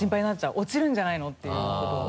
落ちるんじゃないの？っていうことを。